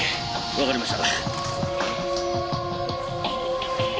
わかりました。